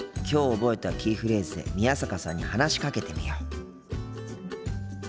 きょう覚えたキーフレーズで宮坂さんに話しかけてみよう。